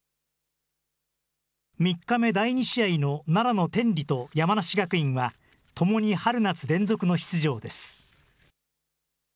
３日目、第２試合の奈良の天理と山梨学院はともに春夏連続の出場です。